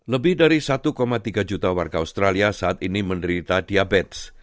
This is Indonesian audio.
lebih dari satu tiga juta warga australia saat ini menderita diabetes